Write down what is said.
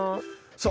そう。